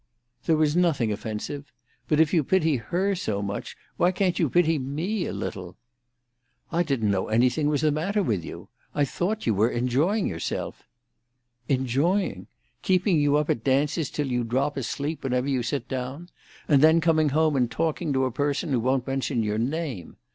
"There was nothing offensive. But if you pity her so much, why can't you pity me a little?" "I didn't know anything was the matter with you. I thought you were enjoying yourself——" "Enjoying? Keeping you up at dances till you drop asleep whenever you sit down? And then coming home and talking to a person who won't mention your name!